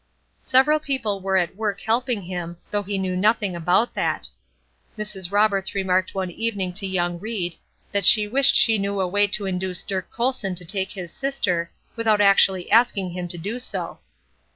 Several people were at work helping him, though he knew nothing about that. Mrs. Roberts remarked one evening to young Ried that she wished she knew a way to induce Dirk Colson to take his sister, without actually asking him to do so.